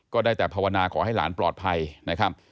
ได้แต่ภาวนาขอให้หลานปลอดภัยนะครับ